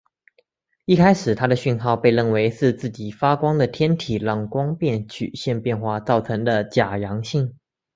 一开始它的讯号被认为是自己发光的天体让光变曲线变化造成的假阳性。